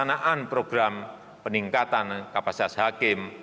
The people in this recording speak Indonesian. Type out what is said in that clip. pelaksanaan program peningkatan kapasitas hakim